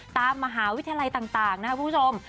ตามมหาวิทยาลัยต่างนะครับคุณผู้ชม